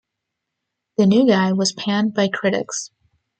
"The New Guy" was panned by critics.